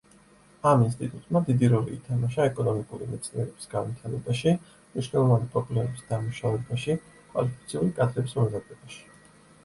ამ ინსტიტუტმა დიდი როლი ითამაშა ეკონომიკური მეცნიერების განვითარებაში, მნიშვნელოვანი პრობლემების დამუშავებაში, კვალიფიციური კადრების მომზადებაში.